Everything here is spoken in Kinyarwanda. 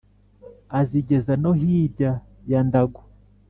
azigeza no hirya ya ndago